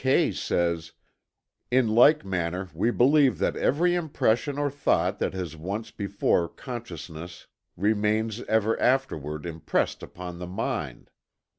Kay says: "In like manner we believe that every impression or thought that has once been before consciousness remains ever afterward impressed upon the mind.